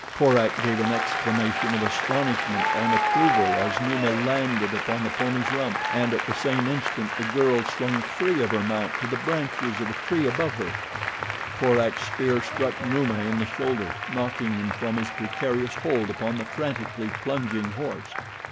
Korak gave an exclamation of astonishment and approval as Numa landed upon the pony's rump and at the same instant the girl swung free of her mount to the branches of a tree above her. Korak's spear struck Numa in the shoulder, knocking him from his precarious hold upon the frantically plunging horse.